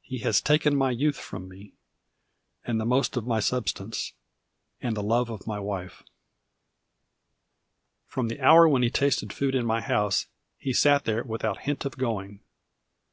He has taken my youth from me, and the most of my substance, and the love of my wife. From the hour when he tasted food in my house, he sat there without hint of going.